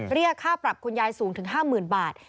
เรียกค่าปรับคุณยายสูงถึง๕๐๐๐บาท